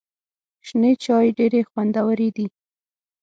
شنې چای ډېري خوندوري دي .